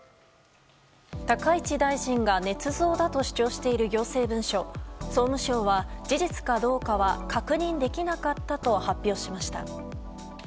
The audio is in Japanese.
高市大臣がねつ造だと主張している行政文書総務省は事実かどうかは確認できなかったと発表しました。